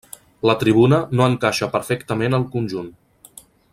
La tribuna no encaixa perfectament al conjunt.